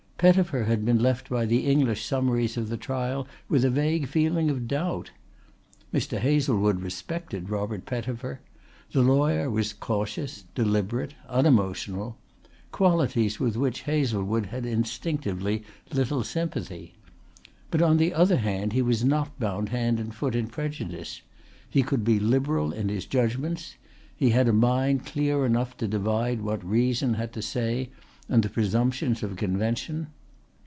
Pettifer had been left by the English summaries of the trial with a vague feeling of doubt. Mr. Hazlewood respected Robert Pettifer. The lawyer was cautious, deliberate, unemotional qualities with which Hazlewood had instinctively little sympathy. But on the other hand he was not bound hand and foot in prejudice. He could be liberal in his judgments. He had a mind clear enough to divide what reason had to say and the presumptions of convention.